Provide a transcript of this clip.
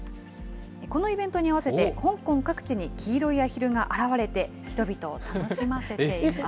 このイベントに合わせて、香港各地に黄色いアヒルが現れて、人々を楽しませています。